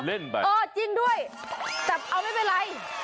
เล่นไปเออจริงด้วยแต่เอาไม่เป็นไร